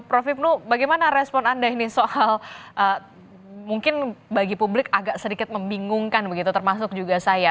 prof ibnu bagaimana respon anda ini soal mungkin bagi publik agak sedikit membingungkan begitu termasuk juga saya